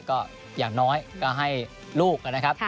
ก็อย่างน้อยก็ให้ลูกนะครับ